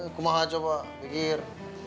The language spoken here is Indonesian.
aku mah coba pikir